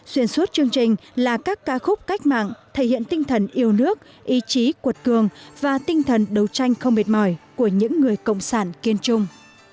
xuyên suốt chương trình là các ca khúc cách mạng thể hiện tinh thần yêu nước ý chí cuột cường và tinh thần đấu tranh không mệt mỏi của những người cộng sản kiên trung